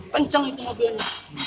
penceng itu mobilnya